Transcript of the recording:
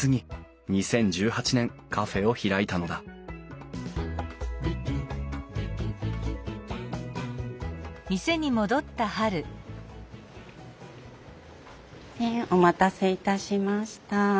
２０１８年カフェを開いたのだお待たせいたしました。